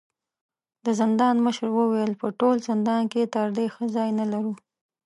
د زندان مشر وويل: په ټول زندان کې تر دې ښه ځای نه لرو.